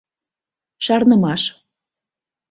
Шарнымаш…